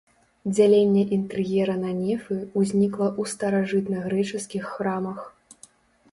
Дзяленне інтэр'ера на нефы ўзнікла ў старажытнагрэчаскіх храмах.